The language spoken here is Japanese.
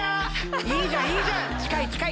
いいじゃんいいじゃん近い近い。